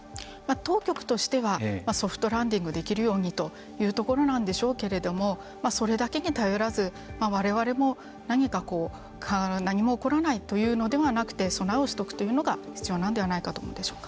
当局としてはソフトランディングできるようにというところなんでしょうけれどもそれだけに頼らずわれわれも何か何も起こらないというのではなくて備えをしておくということが必要なのではないでしょうか。